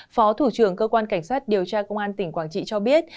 phó thủ trưởng cơ quan cảnh sát điều tra công an tỉnh quảng trị cho biết